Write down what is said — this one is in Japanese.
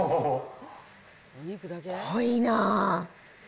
濃いなぁ。